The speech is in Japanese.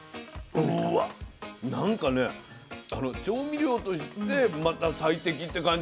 うわっなんかね調味料としてまた最適って感じ。